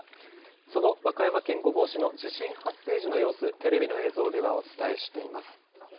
その和歌山県御坊市の地震発生時の様子、テレビの映像ではお伝えしています。